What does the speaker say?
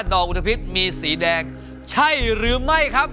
ดอกอุทพิษมีสีแดงใช่หรือไม่ครับ